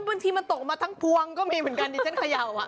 บางทีมันตกมาทั้งพวงก็มีเหมือนกันดิฉันเขย่า